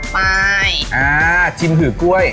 ไปอ่าชิมถือกล้วย